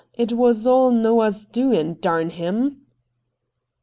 It was all Noah's doing — darn him